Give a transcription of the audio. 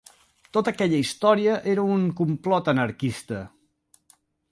Tota aquella història era un complot anarquista